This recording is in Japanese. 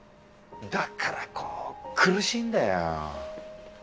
だからこう苦しいんだよ。